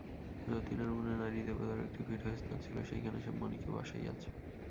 যতীনের মনে নারীদেবতার একটি পীঠস্থান ছিল, সেইখানে সে মণিকে বসাইয়াছে।